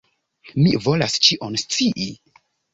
Mi volas ĉion scii!